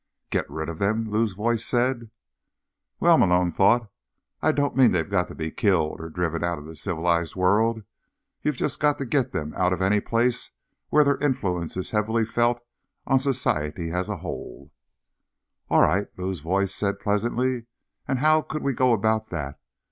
_ "Get rid of them?" Lou's voice said. Well, Malone thought, _I don't mean they've got to be killed or driven out of the civilized world. You've just got to get them out of any place where their influence is heavily felt on society as a whole._ "All right," Lou's voice said pleasantly. "And how could we go about that?